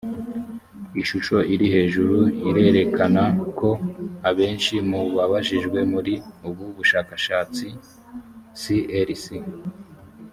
ishusho iri hejuru irerekna ko abenshi mu babajijwe muri ubu bushakashatsi crc